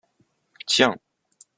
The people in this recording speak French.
Tiens